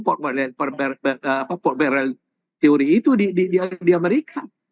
formal barrel teori itu di amerika